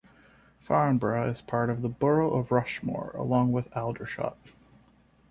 Farnborough is part of the Borough of Rushmoor, along with Aldershot.